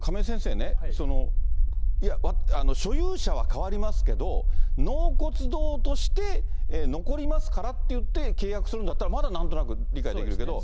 亀井先生ね、所有者は変わりますけど、納骨堂として残りますからっていって、契約するんだったら、まだなんとなく理解できるけど。